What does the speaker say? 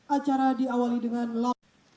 acara diawali dengan la